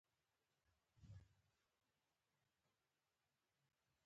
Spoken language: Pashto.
استبدادي رژیمونه د زبېښونکې ودې له محدودیتونو سره مخ شي.